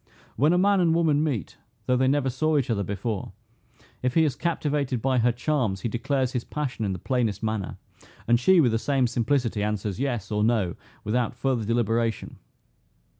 When a man and a woman meet, though they never saw each other before, if he is captivated by her charms, he declares his passion in the plainest manner; and she, with the same simplicity, answers, Yes, or No, without further deliberation.